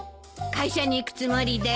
会社に行くつもりで。